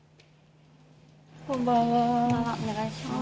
こんばんは、お願いします。